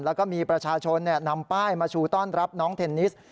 แล้วก็มีประชาชนนำป้ายมาชูต้อนรับน้องเทนนิส